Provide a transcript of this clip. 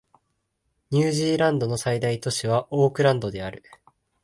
ニュージーランドの最大都市はオークランドである